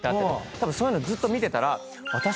たぶんそういうのずっと見てたら。